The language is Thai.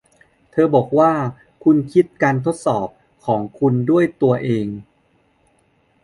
เธอบอกว่าคุณคิดการทดสอบของคุณด้วยตัวเอง